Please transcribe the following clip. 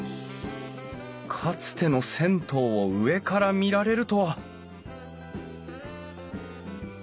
かつての銭湯を上から見られるとは！